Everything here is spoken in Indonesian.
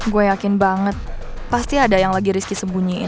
gue yakin banget pasti ada yang lagi riski sembunyiin